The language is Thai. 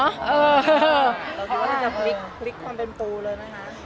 เราคิดว่าจะคลิกความเป็นตัวเลยนะคะ